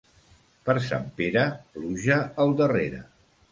Per Sant Pere, pluja al darrere.